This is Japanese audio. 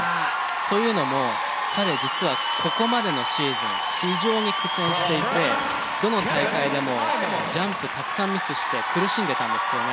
というのも彼実はここまでのシーズン非常に苦戦していてどの大会でもジャンプたくさんミスして苦しんでたんですよね。